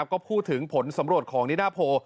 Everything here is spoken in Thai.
ก็พูดถึงผลสำรวจของนิดาโพ